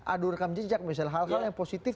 adu rekam jejak misalnya hal hal yang positif